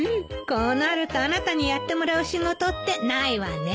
こうなるとあなたにやってもらう仕事ってないわね。